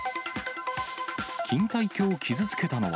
錦帯橋、傷つけたのは？